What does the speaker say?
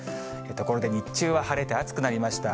ところで日中は晴れて暑くなりました。